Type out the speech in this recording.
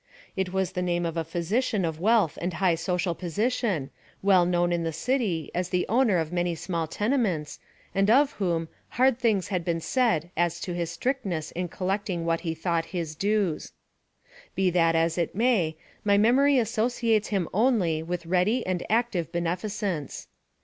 It was the name of a physician of wealth and high social position, well known in the city as the owner of many small tenements, and of whom hard things had been said as to his strictness in collecting what he thought his dues. Be that as it may, my memory associates him only with ready and active beneficence.